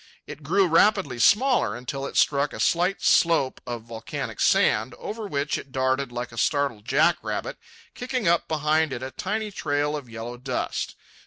It grew rapidly smaller until it struck a slight slope of volcanic sand, over which it darted like a startled jackrabbit, kicking up behind it a tiny trail of yellow dust.